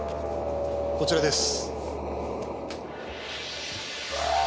こちらです。